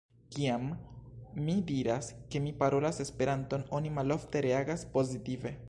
Kiam mi diras, ke mi parolas Esperanton, oni malofte reagas pozitive.